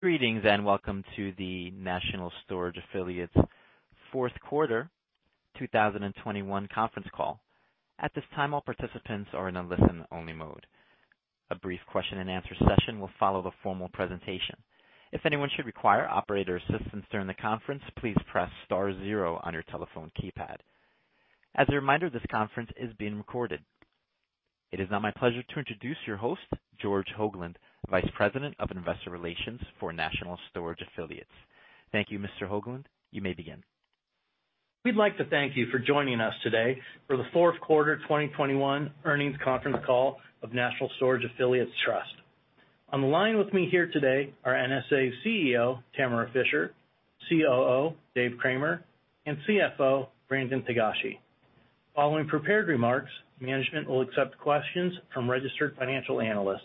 Greetings, and welcome to the National Storage Affiliates fourth quarter 2021 conference call. At this time, all participants are in a listen-only mode. A brief question and answer session will follow the formal presentation. If anyone should require operator assistance during the conference, please press star zero on your telephone keypad. As a reminder, this conference is being recorded. It is now my pleasure to introduce your host, George Hoglund, Vice President of Investor Relations for National Storage Affiliates. Thank you, Mr. Hoglund. You may begin. We'd like to thank you for joining us today for the fourth quarter 2021 earnings conference call of National Storage Affiliates Trust. On the line with me here today are NSA's CEO, Tamara Fischer, COO, Dave Cramer, and CFO, Brandon Togashi. Following prepared remarks, management will accept questions from registered financial analysts.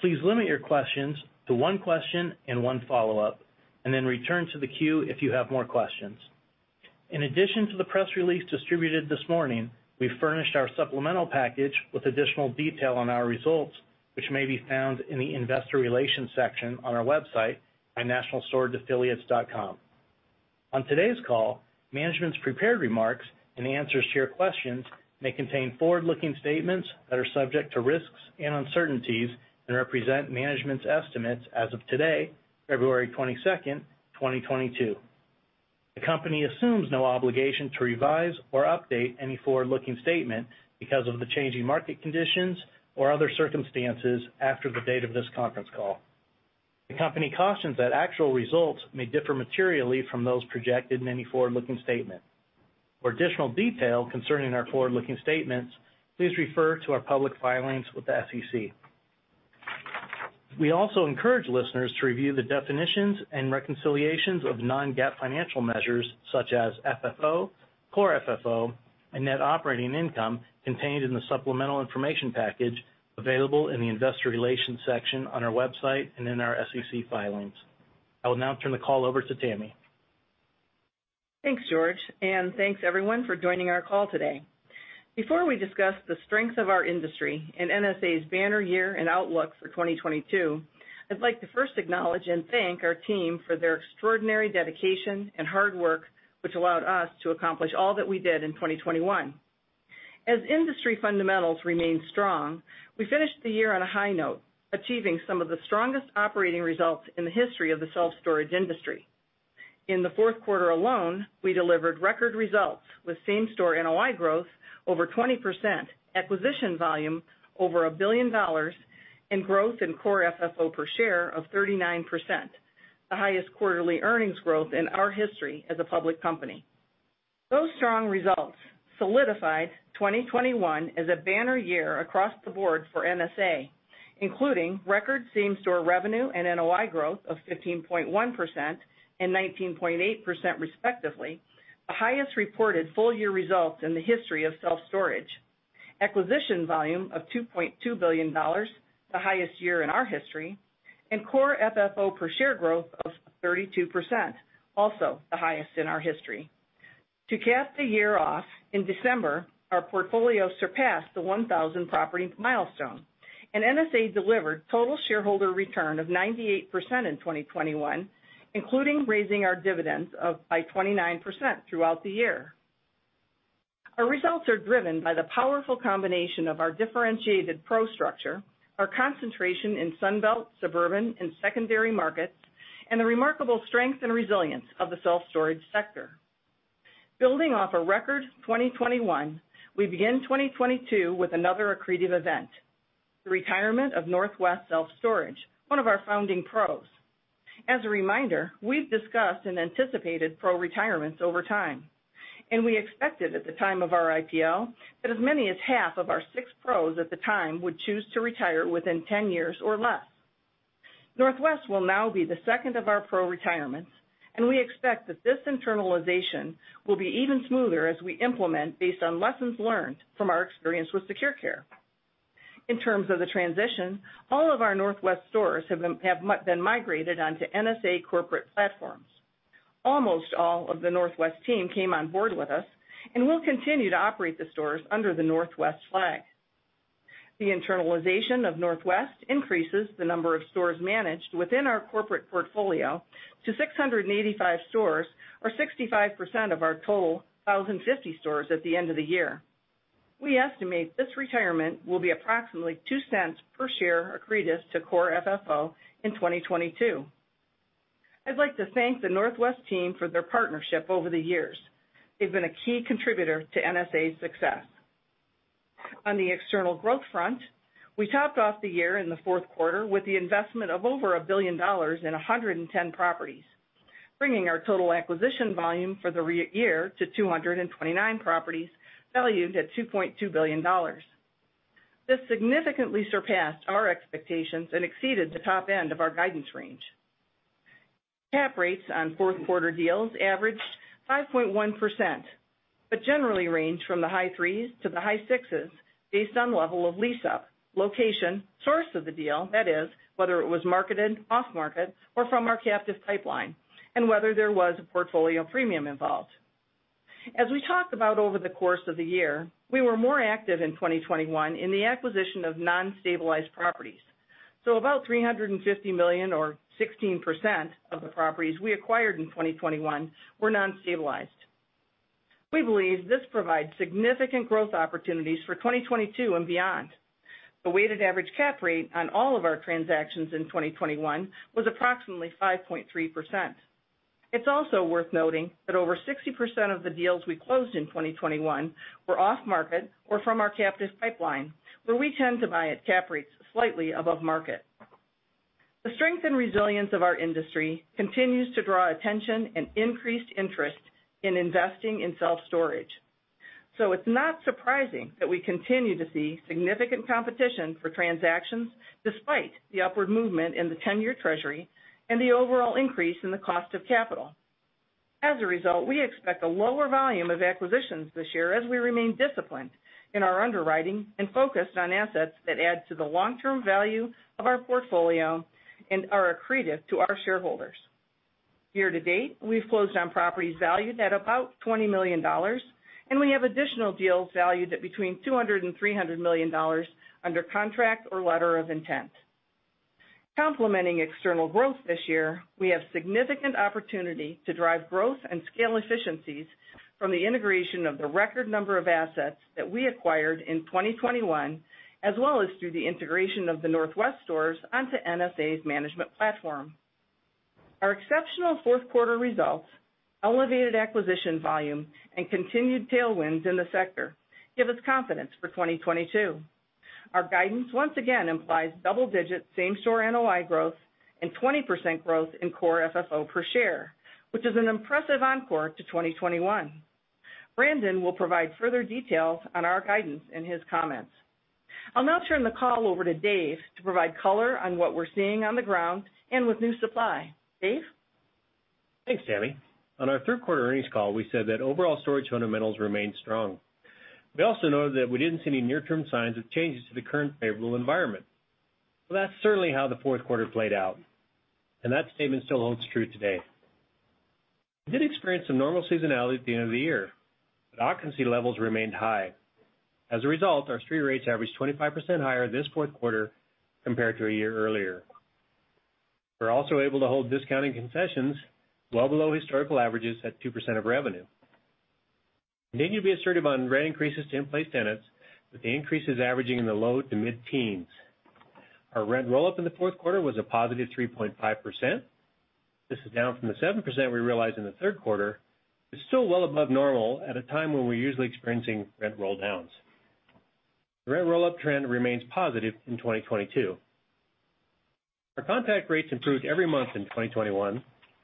Please limit your questions to one question and one follow-up, and then return to the queue if you have more questions. In addition to the press release distributed this morning, we furnished our supplemental package with additional detail on our results, which may be found in the Investor Relations section on our website at nationalstorageaffiliates.com. On today's call, management's prepared remarks and answers to your questions may contain forward-looking statements that are subject to risks and uncertainties that represent management's estimates as of today, February 22nd, 2022. The company assumes no obligation to revise or update any forward-looking statement because of the changing market conditions or other circumstances after the date of this conference call. The company cautions that actual results may differ materially from those projected in any forward-looking statement. For additional detail concerning our forward-looking statements, please refer to our public filings with the SEC. We also encourage listeners to review the definitions and reconciliations of non-GAAP financial measures such as FFO, Core FFO, and net operating income contained in the supplemental information package available in the Investor Relations section on our website and in our SEC filings. I will now turn the call over to Tammy. Thanks, George, and thanks everyone for joining our call today. Before we discuss the strength of our industry and NSA's banner year and outlook for 2022, I'd like to first acknowledge and thank our team for their extraordinary dedication and hard work, which allowed us to accomplish all that we did in 2021. As industry fundamentals remain strong, we finished the year on a high note, achieving some of the strongest operating results in the history of the self-storage industry. In the fourth quarter alone, we delivered record results with same-store NOI growth over 20%, acquisition volume over $1 billion, and growth in Core FFO per share of 39%, the highest quarterly earnings growth in our history as a public company. Those strong results solidified 2021 as a banner year across the board for NSA, including record same-store revenue and NOI growth of 15.1% and 19.8% respectively, the highest reported full-year results in the history of self-storage. Acquisition volume of $2.2 billion, the highest year in our history, and core FFO per share growth of 32%, also the highest in our history. To cap the year off, in December, our portfolio surpassed the 1,000 property milestone, and NSA delivered total shareholder return of 98% in 2021, including raising our dividends by 29% throughout the year. Our results are driven by the powerful combination of our differentiated PRO structure, our concentration in Sun Belt, suburban, and secondary markets, and the remarkable strength and resilience of the self-storage sector. Building off a record 2021, we begin 2022 with another accretive event, the retirement of Northwest Self Storage, one of our founding PROs. As a reminder, we've discussed and anticipated PRO retirements over time, and we expected at the time of our IPO that as many as half of our six PROs at the time would choose to retire within 10 years or less. Northwest will now be the second of our PRO retirements, and we expect that this internalization will be even smoother as we implement based on lessons learned from our experience with SecurCare. In terms of the transition, all of our Northwest stores have been migrated onto NSA corporate platforms. Almost all of the Northwest team came on board with us and will continue to operate the stores under the Northwest flag. The internalization of Northwest increases the number of stores managed within our corporate portfolio to 685 stores or 65% of our total 1,050 stores at the end of the year. We estimate this retirement will be approximately $0.02 per share accretive to Core FFO in 2022. I'd like to thank the Northwest team for their partnership over the years. They've been a key contributor to NSA's success. On the external growth front, we topped off the year in the fourth quarter with the investment of over $1 billion in 110 properties, bringing our total acquisition volume for the year to 229 properties valued at $2.2 billion. This significantly surpassed our expectations and exceeded the top end of our guidance range. Cap rates on fourth quarter deals averaged 5.1%, but generally range from the high 3s% to the high 6% based on level of lease up, location, source of the deal, that is, whether it was marketed, off market, or from our captive pipeline, and whether there was a portfolio premium involved. As we talked about over the course of the year, we were more active in 2021 in the acquisition of non-stabilized properties. About $350 million or 16% of the properties we acquired in 2021 were non-stabilized. We believe this provides significant growth opportunities for 2022 and beyond. The weighted average cap rate on all of our transactions in 2021 was approximately 5.3%. It's also worth noting that over 60% of the deals we closed in 2021 were off-market or from our captive pipeline, where we tend to buy at cap rates slightly above market. The strength and resilience of our industry continues to draw attention and increased interest in investing in self-storage. It's not surprising that we continue to see significant competition for transactions despite the upward movement in the 10-year treasury and the overall increase in the cost of capital. As a result, we expect a lower volume of acquisitions this year as we remain disciplined in our underwriting and focused on assets that add to the long-term value of our portfolio and are accretive to our shareholders. Year to date, we've closed on properties valued at about $20 million, and we have additional deals valued at between $200 million and $300 million under contract or letter of intent. Complementing external growth this year, we have significant opportunity to drive growth and scale efficiencies from the integration of the record number of assets that we acquired in 2021, as well as through the integration of the Northwest stores onto NSA's management platform. Our exceptional fourth quarter results, elevated acquisition volume, and continued tailwinds in the sector give us confidence for 2022. Our guidance once again implies double-digit same-store NOI growth and 20% growth in core FFO per share, which is an impressive encore to 2021. Brandon will provide further details on our guidance in his comments. I'll now turn the call over to Dave to provide color on what we're seeing on the ground and with new supply. Dave? Thanks, Tammy. On our third quarter earnings call, we said that overall storage fundamentals remain strong. We also noted that we didn't see any near-term signs of changes to the current favorable environment. Well, that's certainly how the fourth quarter played out, and that statement still holds true today. We did experience some normal seasonality at the end of the year, but occupancy levels remained high. As a result, our street rates averaged 25% higher this fourth quarter compared to a year earlier. We're also able to hold discounting concessions well below historical averages at 2% of revenue. Continue to be assertive on rent increases to in-place tenants, with the increases averaging in the low to mid-teens. Our rent roll-up in the fourth quarter was a positive 3.5%. This is down from the 7% we realized in the third quarter, but still well above normal at a time when we're usually experiencing rent roll downs. The rent roll-up trend remains positive in 2022. Our contract rates improved every month in 2021,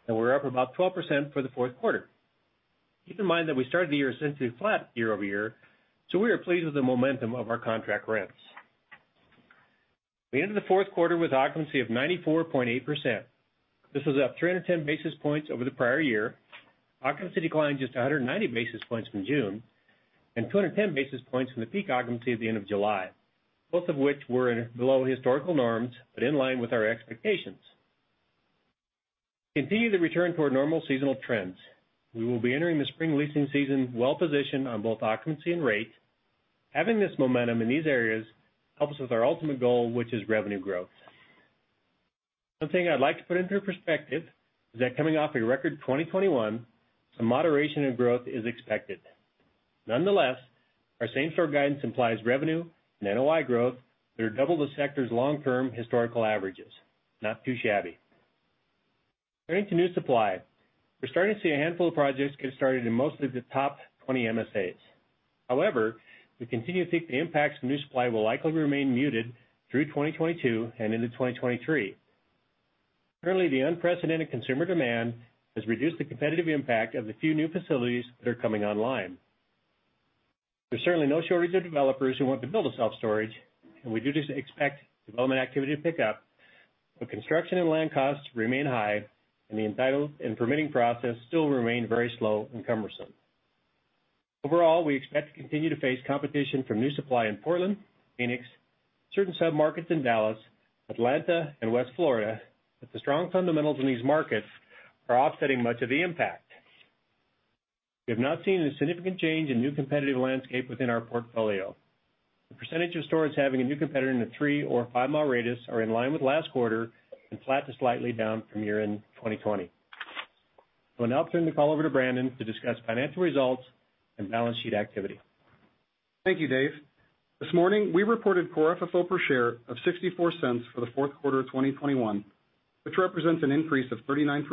and we're up about 12% for the fourth quarter. Keep in mind that we started the year essentially flat year over year, so we are pleased with the momentum of our contract rents. We ended the fourth quarter with occupancy of 94.8%. This is up 310 basis points over the prior year. Occupancy declined just 190 basis points from June and 210 basis points from the peak occupancy at the end of July, both of which were below historical norms but in line with our expectations. Continue the return to our normal seasonal trends. We will be entering the spring leasing season well-positioned on both occupancy and rate. Having this momentum in these areas helps us with our ultimate goal, which is revenue growth. One thing I'd like to put into perspective is that coming off a record 2021, some moderation in growth is expected. Nonetheless, our same-store guidance implies revenue and NOI growth that are double the sector's long-term historical averages. Not too shabby. Turning to new supply, we're starting to see a handful of projects get started in most of the top 20 NSAs. However, we continue to think the impacts of new supply will likely remain muted through 2022 and into 2023. Currently, the unprecedented consumer demand has reduced the competitive impact of the few new facilities that are coming online. There's certainly no shortage of developers who want to build a self-storage, and we do expect development activity to pick up, but construction and land costs remain high, and the entitle and permitting process still remain very slow and cumbersome. Overall, we expect to continue to face competition from new supply in Portland, Phoenix, certain submarkets in Dallas, Atlanta, and West Florida, but the strong fundamentals in these markets are offsetting much of the impact. We have not seen a significant change in new competitive landscape within our portfolio. The percentage of stores having a new competitor in a 3 mi or 5 mi radius are in line with last quarter and flat to slightly down from year-end 2020. I will now turn the call over to Brandon to discuss financial results and balance sheet activity. Thank you, Dave. This morning, we reported Core FFO per share of $0.64 for the fourth quarter of 2021, which represents an increase of 39%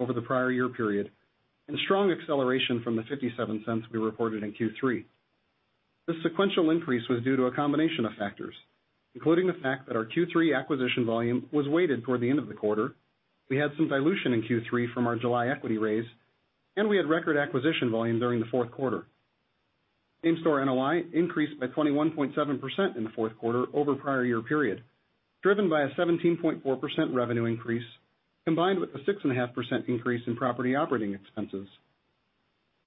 over the prior year period and a strong acceleration from the $0.57 we reported in Q3. This sequential increase was due to a combination of factors, including the fact that our Q3 acquisition volume was weighted toward the end of the quarter, we had some dilution in Q3 from our July equity raise, and we had record acquisition volume during the fourth quarter. Same-store NOI increased by 21.7% in the fourth quarter over prior year period, driven by a 17.4% revenue increase, combined with a 6.5% increase in property operating expenses.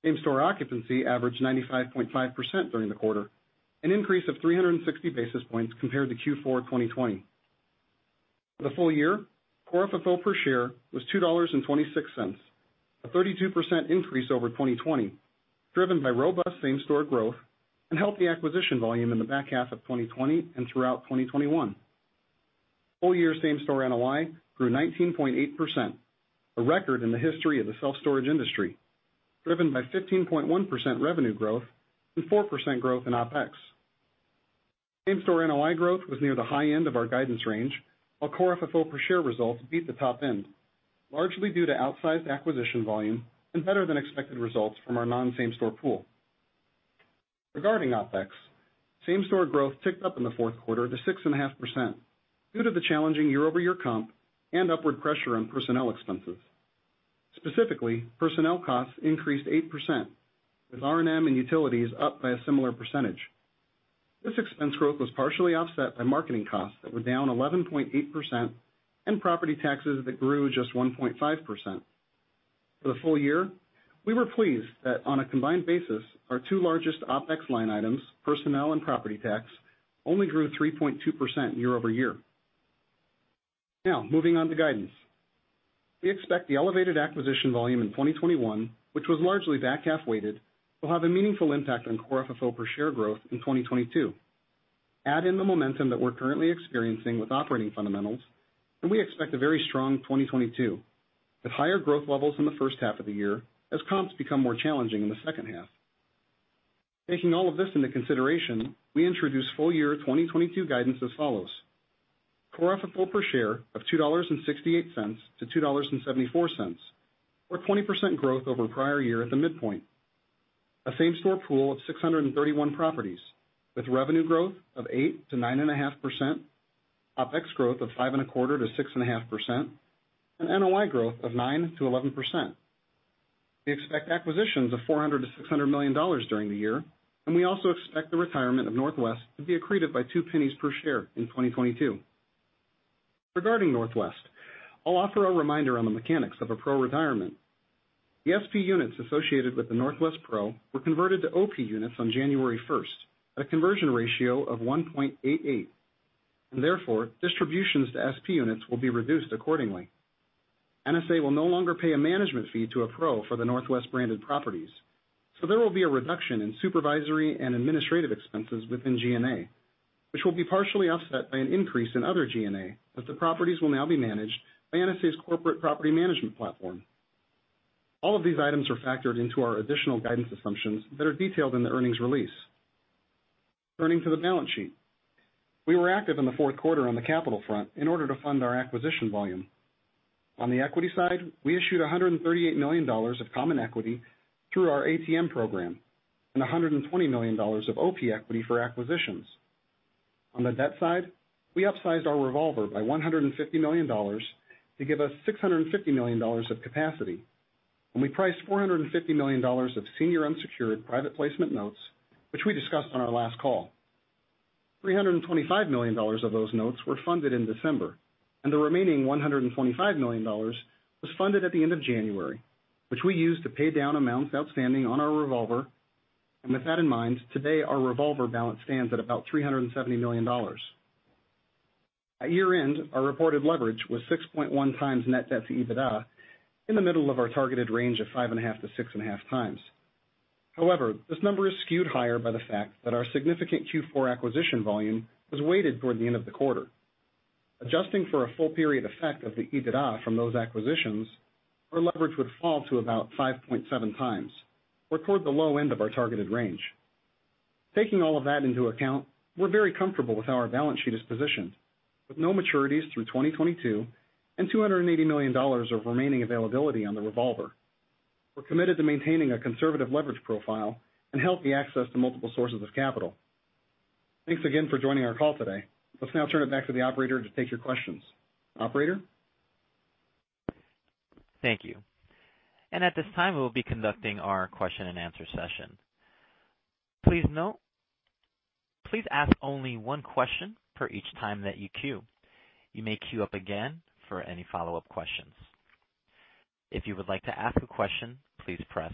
Same-store occupancy averaged 95.5% during the quarter, an increase of 360 basis points compared to Q4 2020. For the full year, Core FFO per share was $2.26, a 32% increase over 2020, driven by robust same-store growth and healthy acquisition volume in the back half of 2020 and throughout 2021. Full year same-store NOI grew 19.8%, a record in the history of the self-storage industry, driven by 15.1% revenue growth and 4% growth in OpEx. Same-store NOI growth was near the high end of our guidance range, while Core FFO per share results beat the top end, largely due to outsized acquisition volume and better than expected results from our non-same-store pool. Regarding OpEx, same-store growth ticked up in the fourth quarter to 6.5% due to the challenging year-over-year comp and upward pressure on personnel expenses. Specifically, personnel costs increased 8%, with R&M and utilities up by a similar percentage. This expense growth was partially offset by marketing costs that were down 11.8% and property taxes that grew just 1.5%. For the full year, we were pleased that on a combined basis, our two largest OpEx line items, personnel and property tax, only grew 3.2% year over year. Now, moving on to guidance. We expect the elevated acquisition volume in 2021, which was largely back-half weighted, will have a meaningful impact on core FFO per share growth in 2022. Add in the momentum that we're currently experiencing with operating fundamentals, and we expect a very strong 2022, with higher growth levels in the first half of the year as comps become more challenging in the second half. Taking all of this into consideration, we introduce full year 2022 guidance as follows: Core FFO per share of $2.68-$2.74, or 20% growth over prior year at the midpoint. A same-store pool of 631 properties with revenue growth of 8%-9.5%, OpEx growth of 5.25%-6.5%, and NOI growth of 9%-11%. We expect acquisitions of $400 million-$600 million during the year, and we also expect the retirement of Northwest to be accreted by $0.02 per share in 2022. Regarding Northwest, I'll offer a reminder on the mechanics of a PRO retirement. The SP units associated with the Northwest PRO were converted to OP units on January 1st at a conversion ratio of 1.88%, and therefore distributions to SP units will be reduced accordingly. NSA will no longer pay a management fee to a PRO for the Northwest branded properties, so there will be a reduction in supervisory and administrative expenses within G&A, which will be partially offset by an increase in other G&A, as the properties will now be managed by NSA's corporate property management platform. All of these items are factored into our additional guidance assumptions that are detailed in the earnings release. Turning to the balance sheet. We were active in the fourth quarter on the capital front in order to fund our acquisition volume. On the equity side, we issued $138 million of common equity through our ATM program and $120 million of OP equity for acquisitions. On the debt side, we upsized our revolver by $150 million to give us $650 million of capacity, and we priced $450 million of senior unsecured private placement notes, which we discussed on our last call. $325 million of those notes were funded in December, and the remaining $125 million was funded at the end of January, which we used to pay down amounts outstanding on our revolver. With that in mind, today our revolver balance stands at about $370 million. At year-end, our reported leverage was 6.1x net debt to EBITDA in the middle of our targeted range of 5.5x-6.5x. However, this number is skewed higher by the fact that our significant Q4 acquisition volume was weighted toward the end of the quarter. Adjusting for a full period effect of the EBITDA from those acquisitions, our leverage would fall to about 5.7x or toward the low end of our targeted range. Taking all of that into account, we're very comfortable with how our balance sheet is positioned, with no maturities through 2022 and $280 million of remaining availability on the revolver. We're committed to maintaining a conservative leverage profile and healthy access to multiple sources of capital. Thanks again for joining our call today. Let's now turn it back to the operator to take your questions. Operator? Thank you. At this time, we'll be conducting our question-and-answer session. Please note. Please ask only one question per each time that you queue. You may queue up again for any follow-up questions. If you would like to ask a question, please press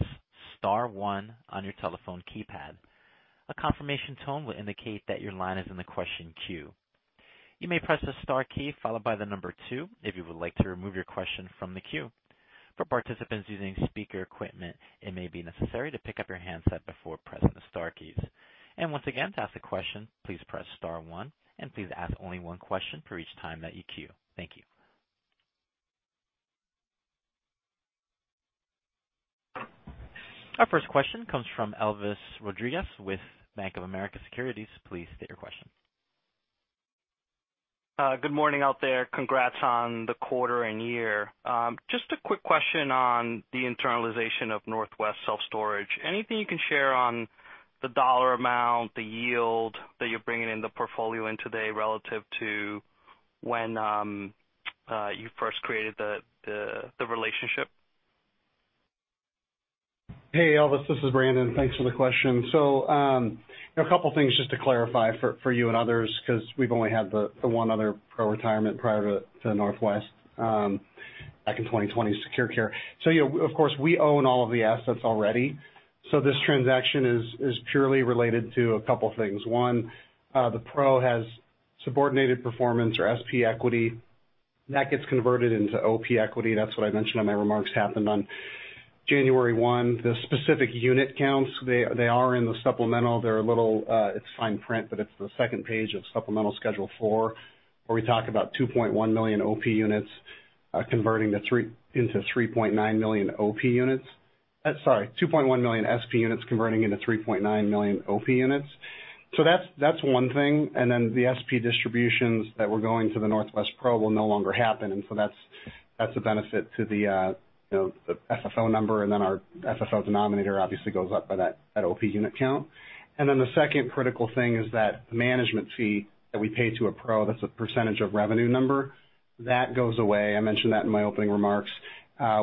star one on your telephone keypad. A confirmation tone will indicate that your line is in the question queue. You may press the star key followed by the number two if you would like to remove your question from the queue. For participants using speaker equipment, it may be necessary to pick up your handset before pressing the star keys. Once again, to ask a question, please press star one and please ask only one question per each time that you queue. Thank you. Our first question comes from Elvis Rodriguez with Bank of America Securities. Please state your question. Good morning out there. Congrats on the quarter and year. Just a quick question on the internalization of Northwest Self Storage. Anything you can share on the dollar amount, the yield that you're bringing in the portfolio in today relative to when you first created the relationship? Hey, Elvis, this is Brandon. Thanks for the question. A couple of things just to clarify for you and others because we've only had the one other PRO retirement prior to Northwest. Back in 2020, SecurCare. Yeah, of course, we own all of the assets already. This transaction is purely related to a couple things. One, the PRO has subordinated performance or SP equity that gets converted into OP equity. That's what I mentioned in my remarks that happened on January 1. The specific unit counts are in the supplemental. They're a little, it's fine print, but it's the second page of Supplemental Schedule Four, where we talk about 2.1 million OP units converting into 3.9 million OP units. 2.1 million SP units converting into 3.9 million OP units. That's one thing. The SP distributions that were going to the Northwest PRO will no longer happen, and so that's a benefit to the, you know, the FFO number. Our FFO denominator obviously goes up by that OP unit count. The second critical thing is that management fee that we pay to a PRO, that's a percentage of revenue number, that goes away. I mentioned that in my opening remarks.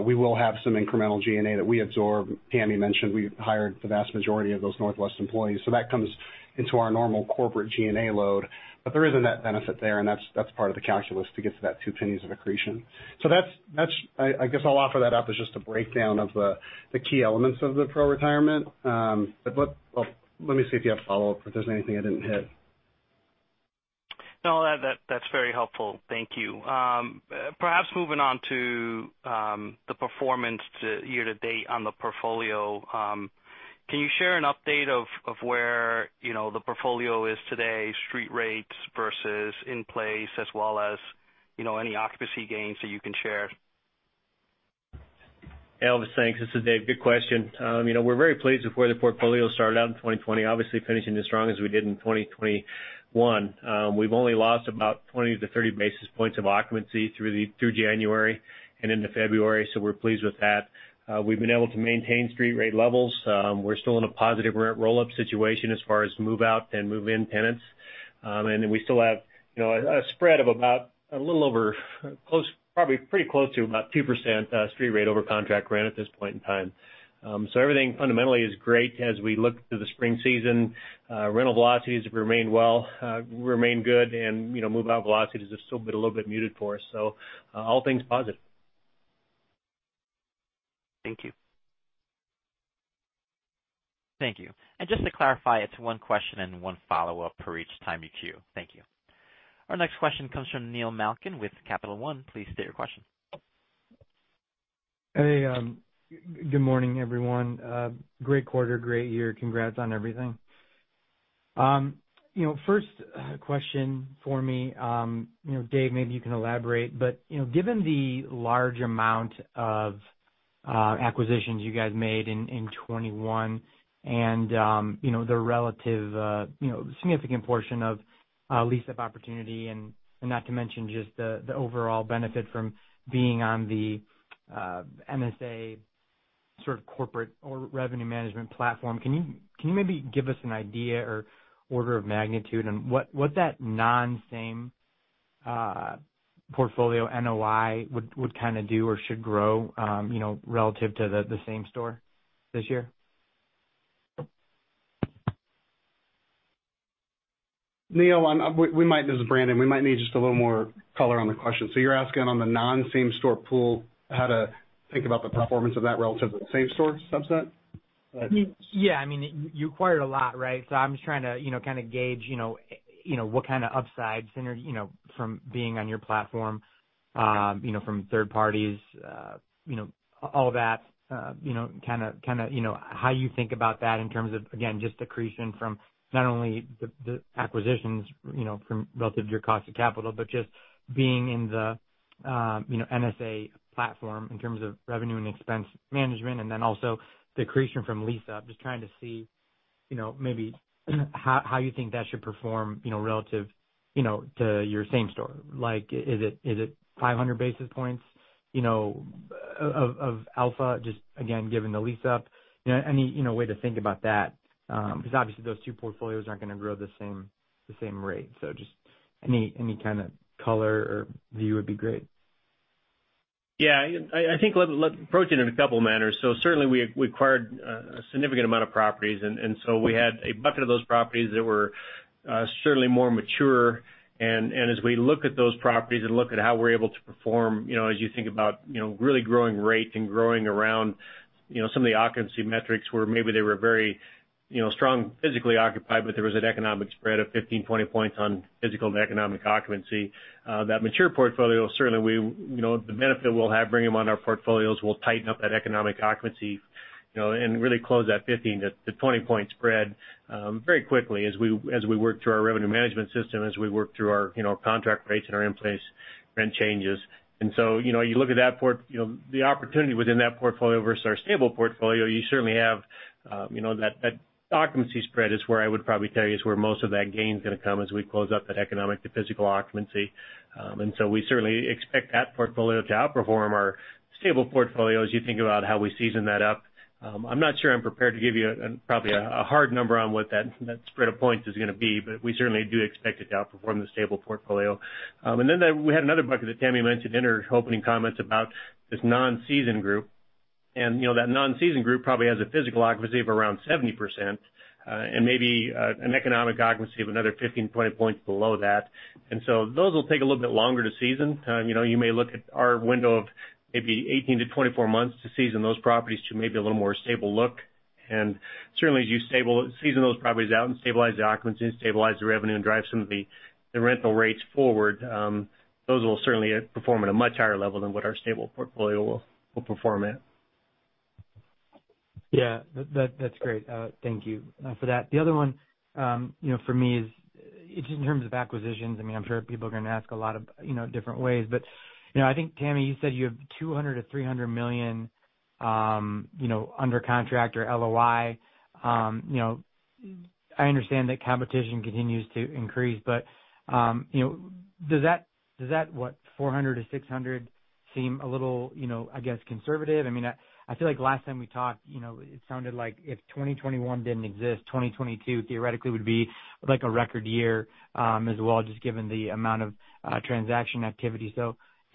We will have some incremental G&A that we absorb. Tammy mentioned we hired the vast majority of those Northwest employees, so that comes into our normal corporate G&A load. There is a net benefit there, and that's part of the calculus to get to that $0.02 of accretion. That's. I guess I'll offer that up as just a breakdown of the key elements of the PRO retirement. Well, let me see if you have follow-up, if there's anything I didn't hit. No, that's very helpful. Thank you. Perhaps moving on to the performance year-to-date on the portfolio, can you share an update of where, you know, the portfolio is today, street rates versus in place as well as, you know, any occupancy gains that you can share? Elvis, thanks. This is Dave Good question. You know, we're very pleased with where the portfolio started out in 2020, obviously finishing as strong as we did in 2021. We've only lost about 20-30 basis points of occupancy through January and into February, so we're pleased with that. We've been able to maintain street rate levels. We're still in a positive rent roll-up situation as far as move-out and move-in tenants. We still have, you know, a spread of about a little over, probably pretty close to about 2%, street rate over contract rent at this point in time. Everything fundamentally is great as we look to the spring season. Rental velocities remain good and, you know, move-out velocities are still a bit, a little bit muted for us. All things positive. Thank you. Thank you. Just to clarify, it's one question and one follow-up per each time in queue. Thank you. Our next question comes from Neil Malkin with Capital One. Please state your question. Hey, good morning, everyone. Great quarter, great year. Congrats on everything. You know, first question for me, you know, Dave, maybe you can elaborate. You know, given the large amount of acquisitions you guys made in 2021 and, you know, the relative, you know, significant portion of lease-up opportunity and not to mention just the overall benefit from being on the NSA sort of corporate or revenue management platform, can you maybe give us an idea or order of magnitude on what that non-same portfolio NOI would kinda do or should grow, you know, relative to the same store this year? Neil, this is Brandon. We might need just a little more color on the question. You're asking on the non-same store pool, how to think about the performance of that relative to the same store subset? Yeah. I mean, you acquired a lot, right? I'm just trying to, you know, kind of gauge, you know, what kind of upside synergy, you know, from being on your platform, you know, from third parties, you know, all that, you know, kinda, you know, how you think about that in terms of, again, just accretion from not only the acquisitions, you know, from relative to your cost of capital, but just being in the NSA platform in terms of revenue and expense management, and then also the accretion from lease-up. Just trying to see, you know, maybe how you think that should perform, you know, relative, you know, to your same store. Like, is it 500 basis points, you know, of alpha just, again, given the lease-up? You know, any way to think about that? Because obviously those two portfolios aren't gonna grow the same rate. Just any kind of color or view would be great. Yeah. I think approach it in a couple manners. Certainly we acquired a significant amount of properties, and so we had a bucket of those properties that were certainly more mature. As we look at those properties and look at how we're able to perform, you know, as you think about, you know, really growing rates and growing around, you know, some of the occupancy metrics where maybe they were very, you know, strong physically occupied, but there was an economic spread of 15-20 points on physical and economic occupancy. That mature portfolio, certainly we, you know, the benefit we'll have bringing them on our portfolios will tighten up that economic occupancy, you know, and really close that 15-20-points spread very quickly as we work through our revenue management system, as we work through our, you know, contract rates and our in-place rent changes. You know, you look at that, you know, the opportunity within that portfolio versus our stable portfolio, you certainly have, you know, that occupancy spread is where I would probably tell you is where most of that gain's gonna come as we close up that economic to physical occupancy. We certainly expect that portfolio to outperform our stable portfolio as you think about how we season that up. I'm not sure I'm prepared to give you probably a hard number on what that spread of points is gonna be, but we certainly do expect it to outperform the stable portfolio. We had another bucket that Tammy mentioned in her opening comments about this non-seasoned group. You know, that non-seasoned group probably has a physical occupancy of around 70%, and maybe an economic occupancy of another 15-20 points below that. Those will take a little bit longer to season. You know, you may look at our window of maybe 18 to 24 months to season those properties to maybe a little more stable look. Certainly, as you season those properties out and stabilize the occupancy and stabilize the revenue and drive some of the rental rates forward, those will certainly perform at a much higher level than what our stable portfolio will perform at. Yeah. That's great. Thank you for that. The other one, you know, for me is just in terms of acquisitions, I mean, I'm sure people are gonna ask a lot of, you know, different ways, but, you know, I think, Tammy, you said you have $200 million-$300 million, you know, under contract or LOI. I understand that competition continues to increase, but, you know, does that $400 million-$600 million seem a little, you know, I guess, conservative? I mean, I feel like last time we talked, you know, it sounded like if 2021 didn't exist, 2022 theoretically would be like a record year, as well, just given the amount of transaction activity. You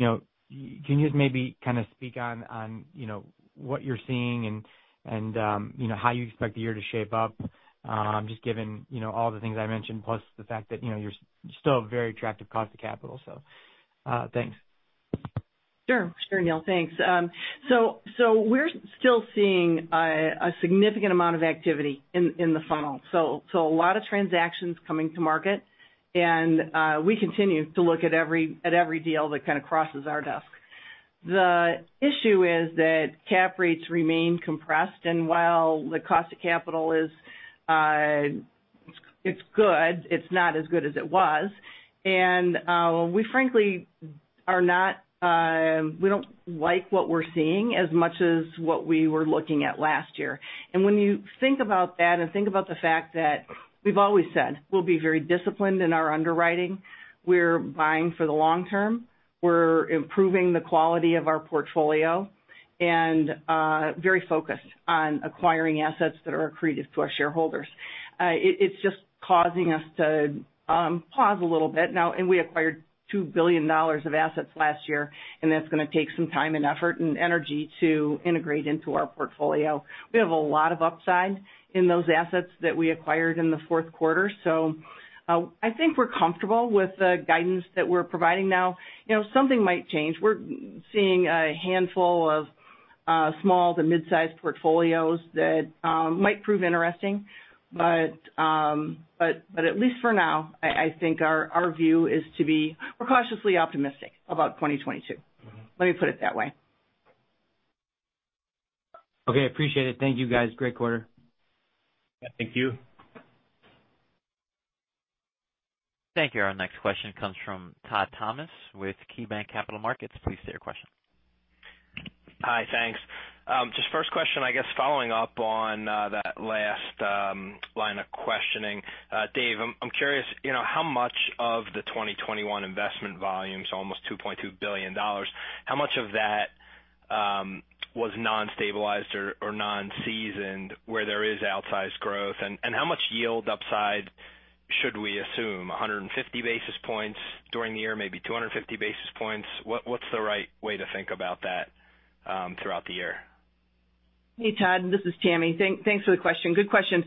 know, can you just maybe kind of speak on you know what you're seeing and you know how you expect the year to shape up just given you know all the things I mentioned plus the fact that you know you're still a very attractive cost of capital. Thanks. Sure. Sure, Neil. Thanks. So we're still seeing a significant amount of activity in the funnel, so a lot of transactions coming to market. We continue to look at every deal that kind of crosses our desk. The issue is that cap rates remain compressed. While the cost of capital is good, it's not as good as it was. We don't like what we're seeing as much as what we were looking at last year. When you think about that and think about the fact that we've always said we'll be very disciplined in our underwriting, we're buying for the long term, we're improving the quality of our portfolio and very focused on acquiring assets that are accretive to our shareholders. It's just causing us to pause a little bit now. We acquired $2 billion of assets last year, and that's gonna take some time and effort and energy to integrate into our portfolio. We have a lot of upside in those assets that we acquired in the fourth quarter. I think we're comfortable with the guidance that we're providing now. You know, something might change. We're seeing a handful of small to mid-sized portfolios that might prove interesting. At least for now, I think our view is we're cautiously optimistic about 2022. Let me put it that way. Okay, appreciate it. Thank you, guys. Great quarter. Thank you. Thank you. Our next question comes from Todd Thomas with KeyBanc Capital Markets. Please state your question. Hi. Thanks. Just first question, I guess following up on that last line of questioning. Dave, I'm curious, you know, how much of the 2021 investment volumes, almost $2.2 billion, how much of that was non-stabilized or non-seasoned where there is outsized growth? And how much yield upside should we assume, 150 basis points during the year, maybe 250 basis points? What's the right way to think about that throughout the year? Hey, Todd, this is Tammy. Thanks for the question. Good question.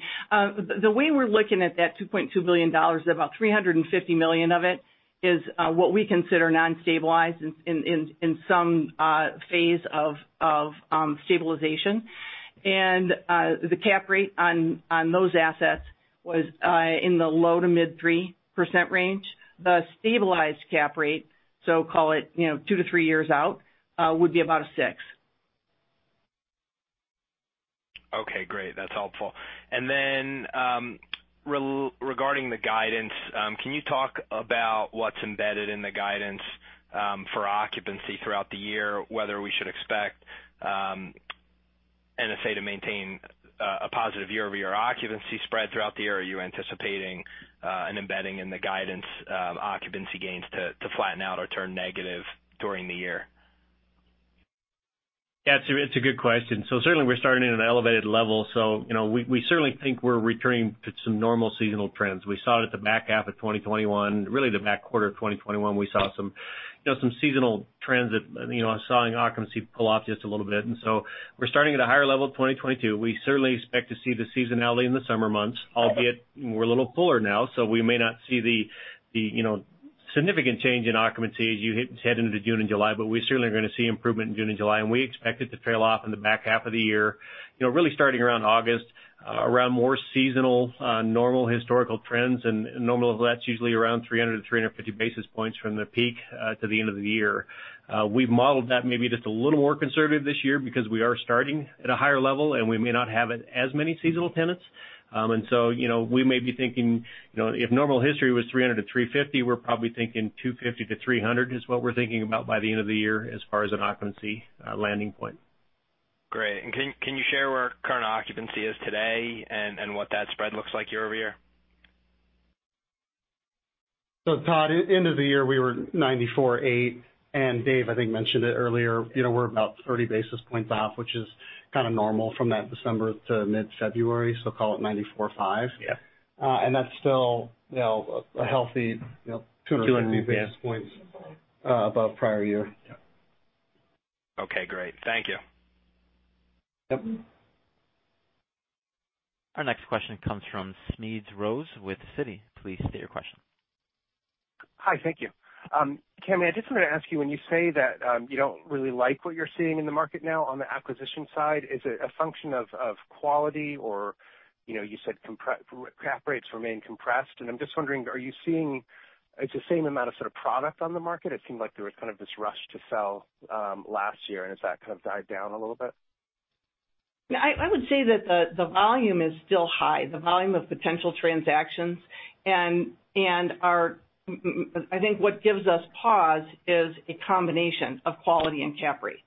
The way we're looking at that $2.2 billion, about $350 million of it is what we consider non-stabilized in some phase of stabilization. The cap rate on those assets was in the low to mid-3% range. The stabilized cap rate, so call it, you know, two to three years out, would be about a 6%. Okay, great. That's helpful. Regarding the guidance, can you talk about what's embedded in the guidance for occupancy throughout the year, whether we should expect NSA to maintain a positive year-over-year occupancy spread throughout the year? Are you anticipating an embedding in the guidance, occupancy gains to flatten out or turn negative during the year? Yeah, it's a good question. Certainly we're starting at an elevated level. You know, we certainly think we're returning to some normal seasonal trends. We saw it at the back half of 2021. Really the back quarter of 2021, we saw some you know, seasonal trends that you know, saw occupancy pull off just a little bit. We're starting at a higher level of 2022. We certainly expect to see the seasonality in the summer months, albeit we're a little fuller now, so we may not see the you know, significant change in occupancy as you head into June and July, but we certainly are gonna see improvement in June and July, and we expect it to trail off in the back half of the year, you know, really starting around August, around more seasonal normal historical trends. Normally that's usually around 300-350 basis points from the peak to the end of the year. We've modeled that maybe just a little more conservative this year because we are starting at a higher level, and we may not have as many seasonal tenants. You know, we may be thinking, you know, if normal history was 300-350, we're probably thinking 250-300 is what we're thinking about by the end of the year as far as an occupancy landing point. Great. Can you share where current occupancy is today and what that spread looks like year over year? Todd, end of the year, we were 94.8%, and Dave, I think, mentioned it earlier. You know, we're about 30 basis points off, which is kind of normal from that December to mid-February. Call it 94.5%. Yeah. That's still, you know, a healthy, you know. 200 basis points, yeah. Above prior year. Okay, great. Thank you. Yep. Our next question comes from Smedes Rose with Citi. Please state your question. Hi. Thank you. Tammy, I just wanted to ask you, when you say that you don't really like what you're seeing in the market now on the acquisition side, is it a function of quality? Or, you know, you said cap rates remain compressed, and I'm just wondering, are you seeing it's the same amount of sort of product on the market? It seemed like there was kind of this rush to sell last year, and has that kind of died down a little bit? I would say that the volume is still high, the volume of potential transactions. I think what gives us pause is a combination of quality and cap rate.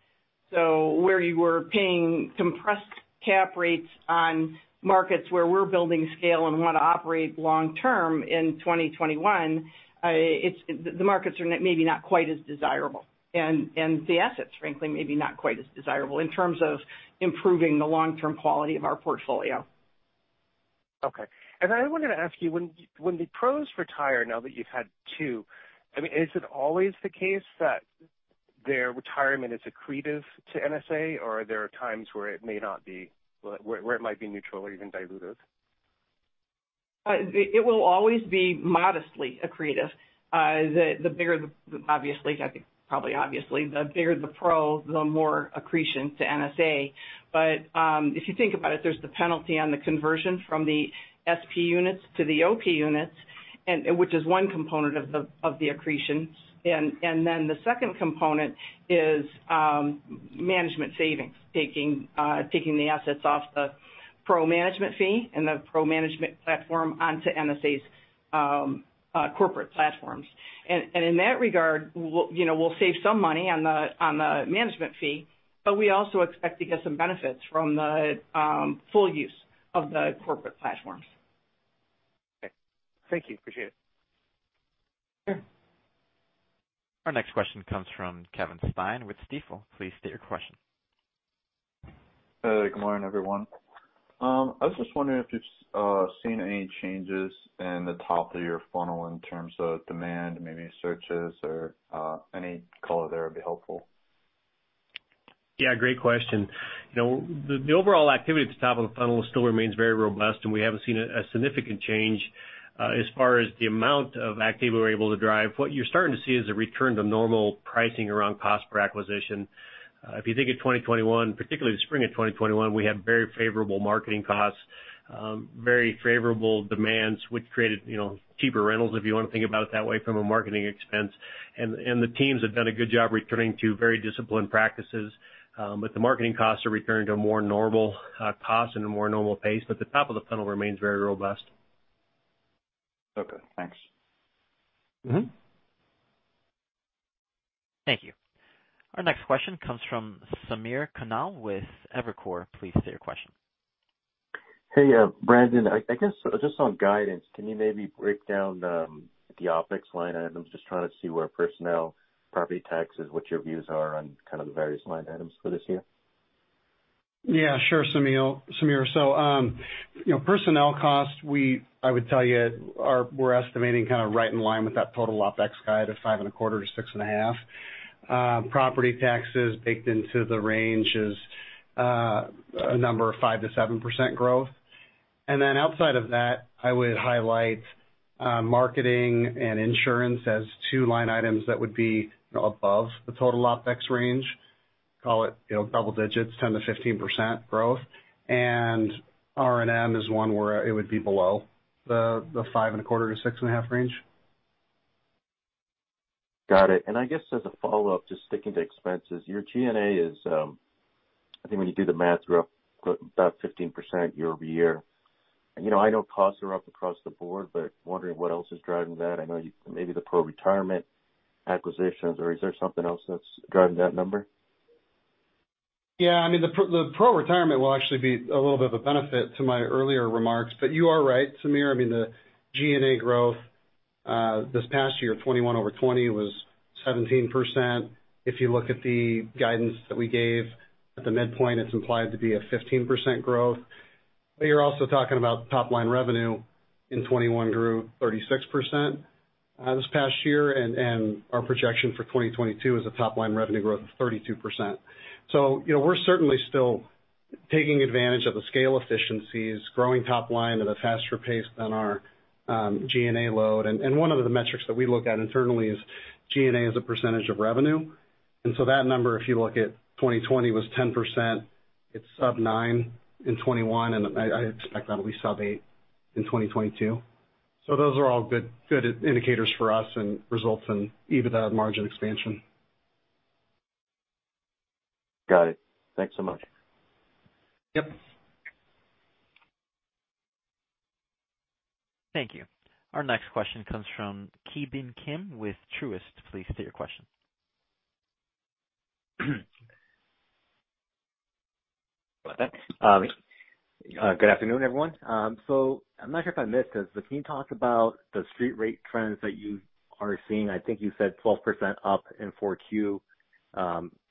Where you were paying compressed cap rates on markets where we're building scale and wanna operate long term in 2021, the markets are maybe not quite as desirable. The assets frankly may be not quite as desirable in terms of improving the long-term quality of our portfolio. Okay. I wanted to ask you, when the PROs retire, now that you've had two, I mean, is it always the case that their retirement is accretive to NSA or are there times where it may not be, where it might be neutral or even dilutive? It will always be modestly accretive. Obviously, the bigger the PRO, the more accretion to NSA. If you think about it, there's the penalty on the conversion from the SP units to the OP units and which is one component of the accretions. The second component is management savings, taking the assets off the PRO management fee and the PRO management platform onto NSA's corporate platforms. In that regard, we'll, you know, save some money on the management fee, but we also expect to get some benefits from the full use of the corporate platforms. Okay. Thank you. Appreciate it. Sure. Our next question comes from Kevin Stein with Stifel. Please state your question. Good morning, everyone. I was just wondering if you've seen any changes in the top of your funnel in terms of demand, maybe searches or, any color there would be helpful. Yeah, great question. You know, the overall activity at the top of the funnel still remains very robust, and we haven't seen a significant change as far as the amount of activity we're able to drive. What you're starting to see is a return to normal pricing around cost per acquisition. If you think of 2021, particularly the spring of 2021, we had very favorable marketing costs, very favorable demands, which created, you know, cheaper rentals if you wanna think about it that way from a marketing expense. The teams have done a good job returning to very disciplined practices. But the marketing costs are returning to a more normal cost and a more normal pace, but the top of the funnel remains very robust. Okay, thanks. Mm-hmm. Thank you. Our next question comes from Samir Khanal with Evercore. Please state your question. Hey, Brandon. I guess just on guidance, can you maybe break down the OpEx line items? Just trying to see where personnel, property taxes, what your views are on kind of the various line items for this year. Yeah, sure, Samir. You know, personnel costs, we're estimating kind of right in line with that total OpEx guide of 5.25%-6.5%. Property taxes baked into the range is a number of 5%-7% growth. Then outside of that, I would highlight marketing and insurance as two line items that would be above the total OpEx range, call it, you know, double digits, 10%-15% growth. R&M is one where it would be below the 5.25%-6.5% range. Got it. I guess as a follow-up, just sticking to expenses, your G&A is, I think when you do the math, you're up about 15% year-over-year. You know, I know costs are up across the board, but wondering what else is driving that. I know you. Maybe the PRO retirement acquisitions or is there something else that's driving that number? Yeah. I mean, the PRO retirement will actually be a little bit of a benefit to my earlier remarks. You are right, Samir. I mean, the G&A growth this past year of 2021 over 2020 was 17%. If you look at the guidance that we gave at the midpoint, it's implied to be a 15% growth. You're also talking about top line revenue in 2021 grew 36% this past year, and our projection for 2022 is a top line revenue growth of 32%. You know, we're certainly still taking advantage of the scale efficiencies, growing top line at a faster pace than our G&A load. One of the metrics that we look at internally is G&A as a percentage of revenue. That number, if you look at 2020, was 10%. It's sub-9% in 2021, and I expect that'll be sub-8% in 2022. Those are all good indicators for us and results in EBITDA margin expansion. Got it. Thanks so much. Yep. Thank you. Our next question comes from Ki Bin Kim with Truist. Please state your question. Good afternoon, everyone. So I'm not sure if I missed this, but can you talk about the street rate trends that you are seeing? I think you said 12% up in 4Q.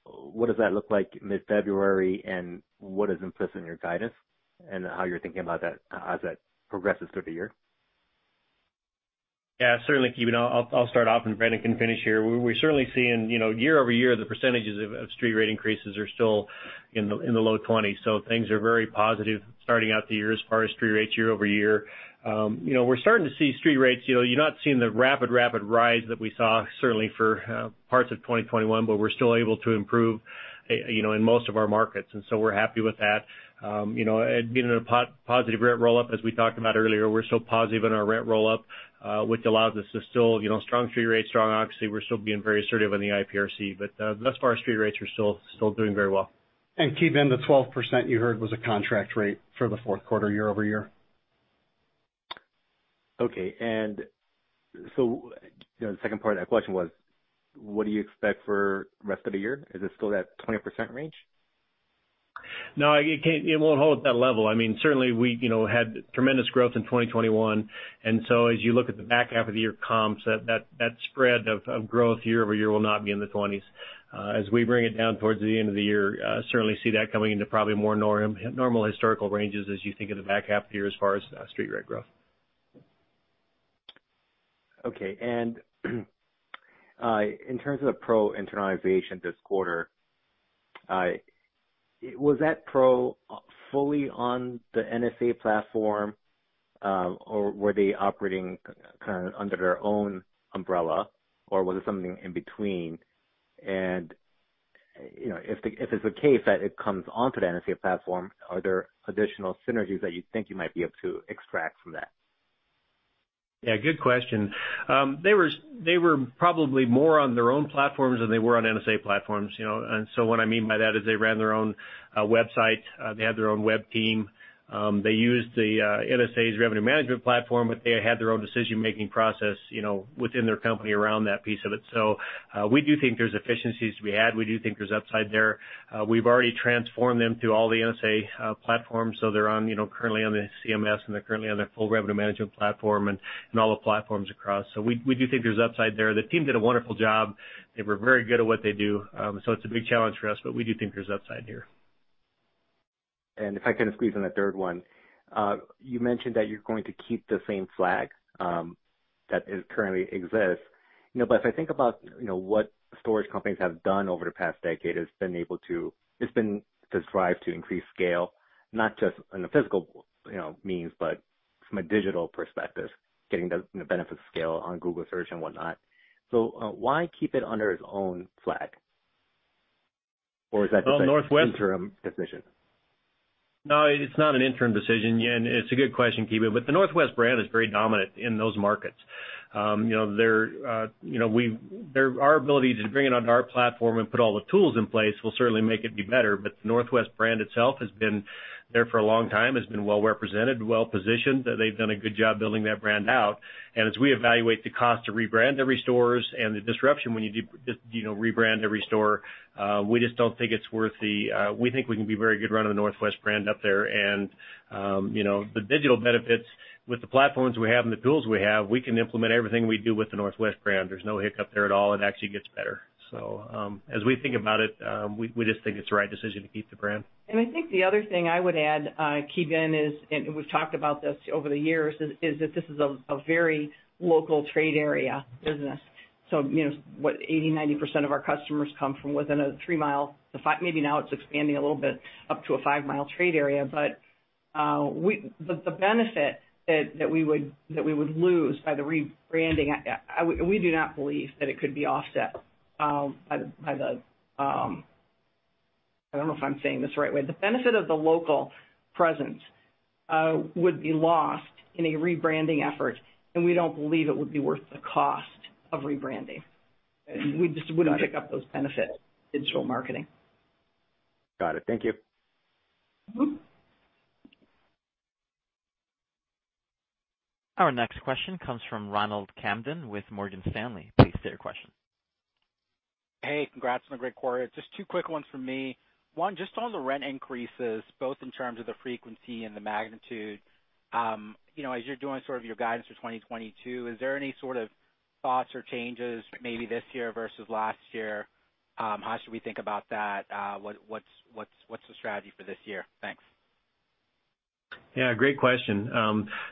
What does that look like mid-February, and what is implicit in your guidance? How you're thinking about that as that progresses through the year. Yeah, certainly, Ki Bin. I'll start off and Brandon can finish here. We're certainly seeing, you know, year-over-year, the percentages of street rate increases are still in the low-20%. So things are very positive starting out the year as far as street rates year-over-year. We're starting to see street rates. You know, you're not seeing the rapid rise that we saw certainly for parts of 2021, but we're still able to improve, you know, in most of our markets, and so we're happy with that. You know, and being in a positive rent roll-up, as we talked about earlier, we're still positive in our rent roll-up, which allows us to still, you know, strong street rates, strong occupancy. We're still being very assertive in the IPRC. Thus far, our street rates are still doing very well. Ki Bin, the 12% you heard was a contract rate for the fourth quarter year-over-year. Okay. You know, the second part of that question was, what do you expect for rest of the year? Is it still that 20% range? No, it can't. It won't hold at that level. I mean, certainly we, you know, had tremendous growth in 2021. As you look at the back half of the year comps, that spread of growth year-over-year will not be in the 20%. As we bring it down towards the end of the year, we certainly see that coming into probably more normal historical ranges as you think of the back half of the year as far as street rate growth. Okay. In terms of the PRO internalization this quarter, was that PRO fully on the NSA platform, or were they operating kind under their own umbrella, or was it something in between? You know, if it's the case that it comes onto the NSA platform, are there additional synergies that you think you might be able to extract from that? Yeah, good question. They were probably more on their own platforms than they were on NSA platforms, you know? What I mean by that is they ran their own website. They had their own web team. They used the NSA's revenue management platform, but they had their own decision-making process, you know, within their company around that piece of it. We do think there's efficiencies to be had. We do think there's upside there. We've already transformed them to all the NSA platforms, so they're on, you know, currently on the CMS, and they're currently on their full revenue management platform and all the platforms across. We do think there's upside there. The team did a wonderful job. They were very good at what they do. It's a big challenge for us, but we do think there's upside here. If I could squeeze in a third one. You mentioned that you're going to keep the same flag that currently exists. You know, but if I think about, you know, what storage companies have done over the past decade, it's been a drive to increase scale, not just in a physical, you know, means, but from a digital perspective, getting the benefit of scale on Google Search and whatnot. Why keep it under its own flag? Or is that just- Well, Northwest ...an interim decision? No, it's not an interim decision. Yeah. It's a good question, Ki Bin. The Northwest brand is very dominant in those markets. Our ability to bring it onto our platform and put all the tools in place will certainly make it be better. The Northwest brand itself has been there for a long time, has been well represented, well positioned. They've done a good job building that brand out. As we evaluate the cost to rebrand every store and the disruption when you rebrand every store, you know, we just don't think it's worth it. We think we can be very good running the Northwest brand up there. You know, the digital benefits with the platforms we have and the tools we have, we can implement everything we do with the Northwest brand. There's no hiccup there at all. It actually gets better. As we think about it, we just think it's the right decision to keep the brand. I think the other thing I would add, Ki Bin, is and we've talked about this over the years, is that this is a very local trade area business. So, you know, what 80%-90% of our customers come from within a 3 mi to 5 mi trade area. Maybe now it's expanding a little bit up to a 5 mi trade area. But the benefit that we would lose by the rebranding. We do not believe that it could be offset by the. I don't know if I'm saying this the right way. The benefit of the local presence would be lost in a rebranding effort, and we don't believe it would be worth the cost of rebranding. We just wouldn't pick up those benefits, digital marketing. Got it. Thank you. Mm-hmm. Our next question comes from Ronald Kamdem with Morgan Stanley. Please state your question. Hey, congrats on a great quarter. Just two quick ones from me. One, just on the rent increases, both in terms of the frequency and the magnitude, you know, as you're doing sort of your guidance for 2022, is there any sort of thoughts or changes maybe this year versus last year? How should we think about that? What's the strategy for this year? Thanks. Yeah, great question.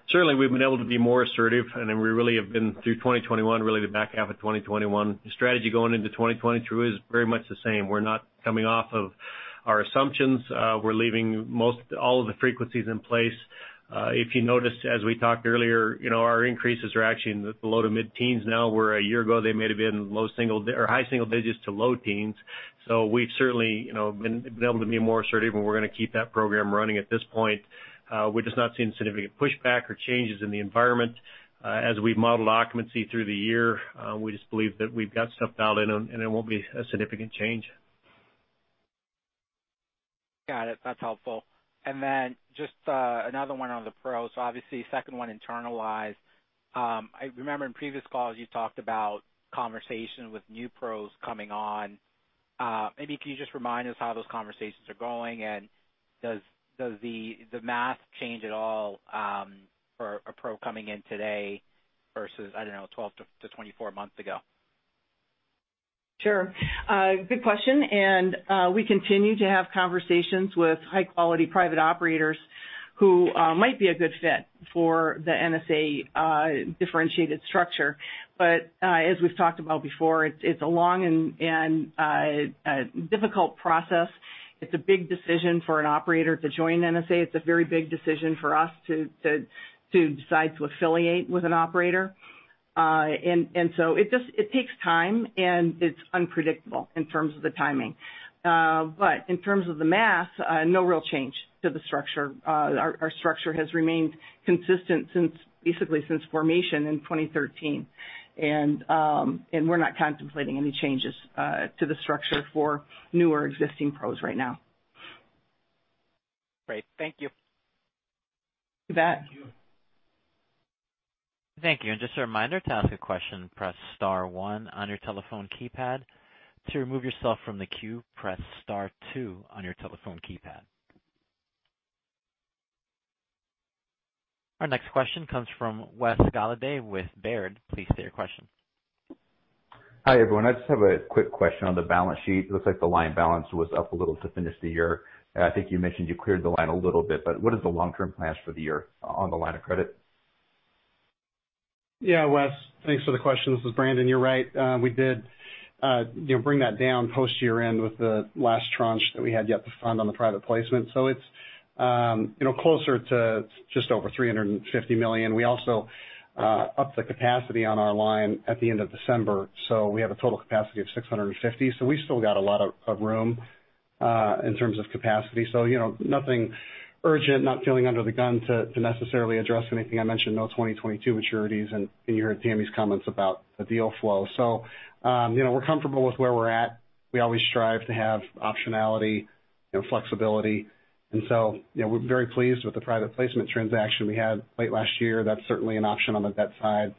Certainly, we've been able to be more assertive, and then we really have been through 2021, really the back half of 2021. The strategy going into 2022 is very much the same. We're not coming off of our assumptions. We're leaving most, all of the frequencies in place. If you noticed, as we talked earlier, you know, our increases are actually in the low- to mid-teens% now, where a year ago they might have been low-single or high-single-digits to low-teens. We've certainly, you know, been able to be more assertive, and we're gonna keep that program running at this point. We're just not seeing significant pushback or changes in the environment. As we've modeled occupancy through the year, we just believe that we've got stuff dialed in and it won't be a significant change. Got it. That's helpful. Just another one on the PRO. Obviously, second one internalized. I remember in previous calls you talked about conversations with new PROs coming on. Maybe can you just remind us how those conversations are going, and does the math change at all, for a PRO coming in today versus, I don't know, 12 to 24 months ago? Sure. Good question. We continue to have conversations with high quality private operators who might be a good fit for the NSA differentiated structure. As we've talked about before, it's a long and difficult process. It's a big decision for an operator to join NSA. It's a very big decision for us to decide to affiliate with an operator. So it just takes time, and it's unpredictable in terms of the timing. But in terms of the math, no real change to the structure. Our structure has remained consistent since, basically, since formation in 2013. We're not contemplating any changes to the structure for new or existing PROs right now. Great. Thank you. Thank you. Thank you. Just a reminder to ask a question, press star one on your telephone keypad. To remove yourself from the queue, press star two on your telephone keypad. Our next question comes from Wes Golladay with Baird. Please state your question. Hi, everyone. I just have a quick question on the balance sheet. It looks like the line balance was up a little to finish the year. I think you mentioned you cleared the line a little bit, but what is the long-term plans for the year on the line of credit? Yeah, Wes, thanks for the question. This is Brandon. You're right. We did, you know, bring that down post year-end with the last tranche that we had yet to fund on the private placement. It's, you know, closer to just over $350 million. We also upped the capacity on our line at the end of December, so we have a total capacity of $650 million. We still got a lot of room in terms of capacity. You know, nothing urgent, not feeling under the gun to necessarily address anything. I mentioned no 2022 maturities, and you heard Tammy's comments about the deal flow. You know, we're comfortable with where we're at. We always strive to have optionality and flexibility. You know, we're very pleased with the private placement transaction we had late last year. That's certainly an option on the debt side.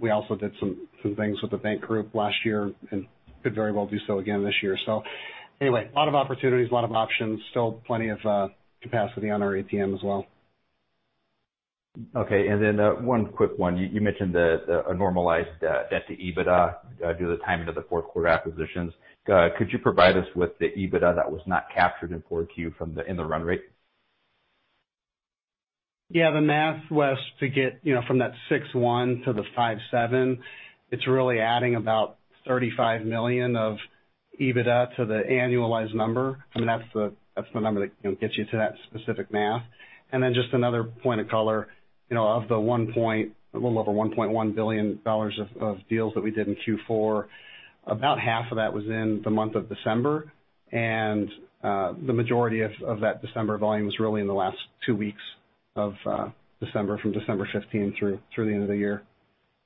We also did some things with the bank group last year and could very well do so again this year. Anyway, a lot of opportunities, a lot of options, still plenty of capacity on our ATM as well. Okay. One quick one. You mentioned the normalized debt to EBITDA due to the timing of the fourth quarter acquisitions. Could you provide us with the EBITDA that was not captured in 4Q in the run rate? Yeah, the math, Wes, to get, you know, from that 6.1% to the 5.7%, it's really adding about $35 million of EBITDA to the annualized number. I mean, that's the number that, you know, gets you to that specific math. Then just another point of color, you know, a little over $1.1 billion of deals that we did in Q4, about half of that was in the month of December. The majority of that December volume was really in the last two weeks of December, from December 15th through the end of the year.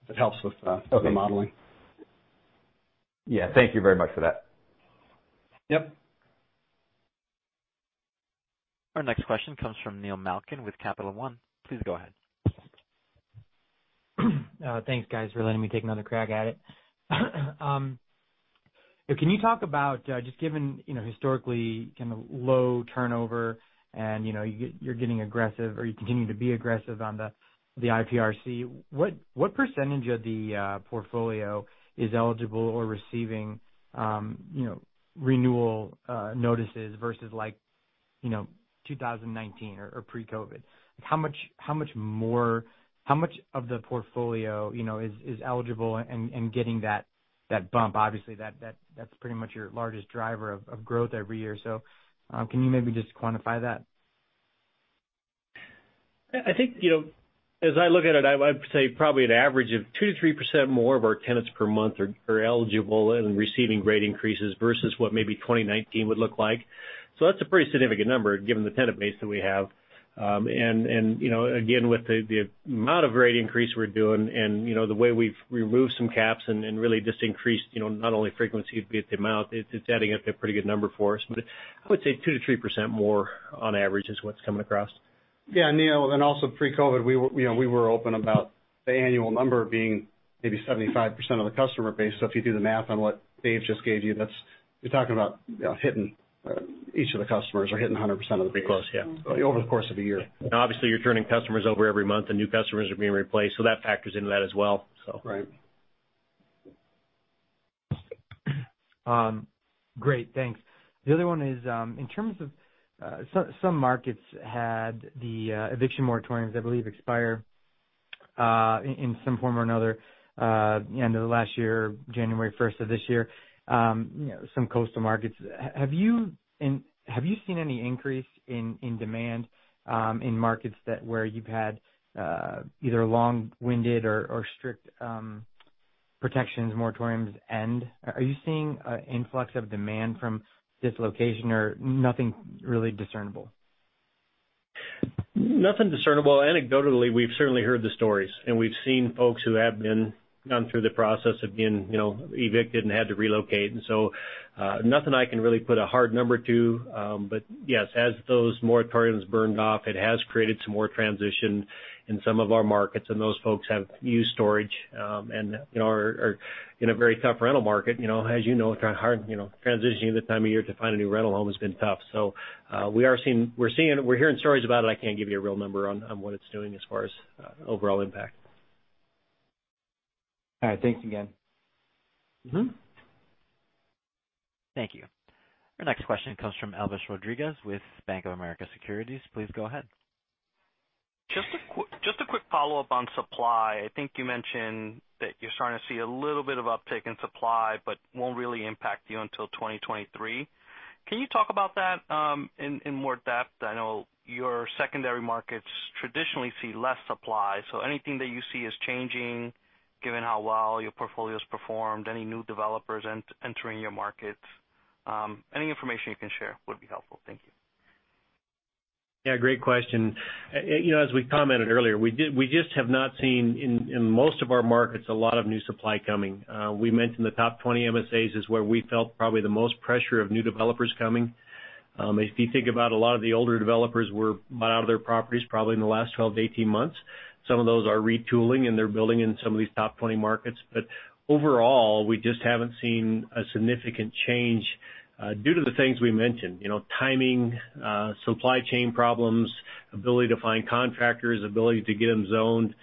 If it helps with the modeling. Yeah, thank you very much for that. Yep. Our next question comes from Neil Malkin with Capital One. Please go ahead. Thanks, guys, for letting me take another crack at it. Can you talk about just given, you know, historically kinda low turnover and, you know, you're getting aggressive or you continue to be aggressive on the IPRC, what percentage of the portfolio is eligible or receiving, you know, renewal notices versus like, you know, 2019 or pre-COVID? How much more of the portfolio, you know, is eligible and getting that bump? Obviously that's pretty much your largest driver of growth every year. Can you maybe just quantify that? I think, you know, as I look at it, I would say probably an average of 2%-3% more of our tenants per month are eligible and receiving rate increases versus what maybe 2019 would look like. That's a pretty significant number given the tenant base that we have. And, you know, again, with the amount of rate increase we're doing and, you know, the way we've removed some caps and really just increased, you know, not only frequency but the amount, it's adding up to a pretty good number for us. I would say 2%-3% more on average is what's coming across. Yeah, Neil, also pre-COVID, you know, we were open about the annual number being maybe 75% of the customer base. If you do the math on what Dave just gave you, that's you're talking about, you know, hitting each of the customers or hitting 100% of the base- Pretty close, yeah. Over the course of a year. Obviously, you're turning customers over every month, and new customers are being replaced, so that factors into that as well, so. Right. Great. Thanks. The other one is in terms of some markets had the eviction moratoriums, I believe, expire in some form or another, end of last year, January 1st of this year, you know, some coastal markets. Have you seen any increase in demand in markets where you've had either longer or strict protections, moratoriums end? Are you seeing an influx of demand from dislocation or nothing really discernible? Anecdotally, we've certainly heard the stories, and we've seen folks who have gone through the process of being, you know, evicted and had to relocate. Nothing I can really put a hard number to, but yes, as those moratoriums burned off, it has created some more transition in some of our markets, and those folks have used storage, and, you know, are in a very tough rental market. You know, as you know, trying hard, you know, transitioning this time of year to find a new rental home has been tough. We're hearing stories about it. I can't give you a real number on what it's doing as far as overall impact. All right, thanks again. Mm-hmm. Thank you. Our next question comes from Oliver Rodriguez with Bank of America Securities. Please go ahead. Just a quick follow-up on supply. I think you mentioned that you're starting to see a little bit of uptick in supply but won't really impact you until 2023. Can you talk about that in more depth? I know your secondary markets traditionally see less supply, so anything that you see is changing given how well your portfolio's performed, any new developers entering your markets, any information you can share would be helpful. Thank you. Yeah, great question. You know, as we commented earlier, we just have not seen in most of our markets a lot of new supply coming. We mentioned the top 20 NSAs is where we felt probably the most pressure of new developers coming. If you think about a lot of the older developers were bought out of their properties probably in the last 12 to 18 months. Some of those are retooling, and they're building in some of these top 20 markets. Overall, we just haven't seen a significant change due to the things we mentioned. You know, timing, supply chain problems, ability to find contractors, ability to get them zoned.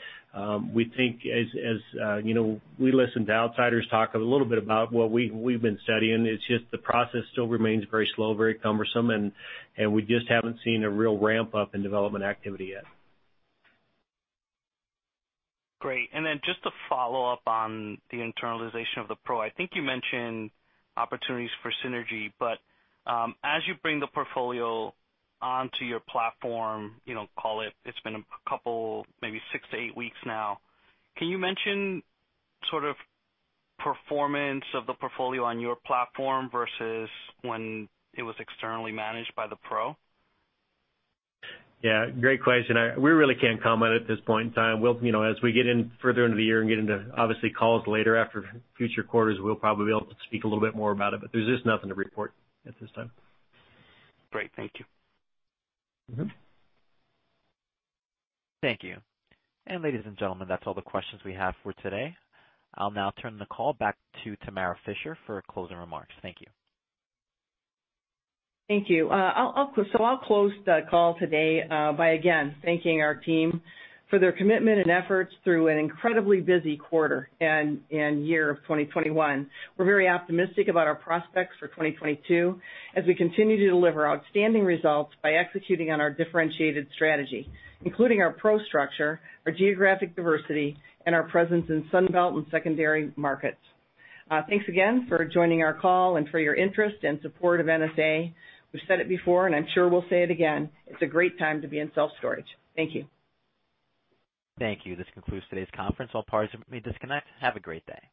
We think, you know, we listen to outsiders talk a little bit about what we've been studying. It's just the process still remains very slow, very cumbersome, and we just haven't seen a real ramp up in development activity yet. Great. Just to follow up on the internalization of the PRO, I think you mentioned opportunities for synergy, but as you bring the portfolio onto your platform, you know, call it's been a couple, maybe six to eight weeks now. Can you mention sort of performance of the portfolio on your platform versus when it was externally managed by the PRO? Yeah, great question. We really can't comment at this point in time. We'll, you know, as we get in further into the year and get into obviously calls later after future quarters, we'll probably be able to speak a little bit more about it, but there's just nothing to report at this time. Great. Thank you. Mm-hmm. Thank you. Ladies and gentlemen, that's all the questions we have for today. I'll now turn the call back to Tamara Fischer for closing remarks. Thank you. Thank you. I'll close the call today by again thanking our team for their commitment and efforts through an incredibly busy quarter and year of 2021. We're very optimistic about our prospects for 2022 as we continue to deliver outstanding results by executing on our differentiated strategy, including our PRO structure, our geographic diversity, and our presence in Sunbelt and secondary markets. Thanks again for joining our call and for your interest and support of NSA. We've said it before, and I'm sure we'll say it again, it's a great time to be in self-storage. Thank you. Thank you. This concludes today's conference. All parties, you may disconnect. Have a great day.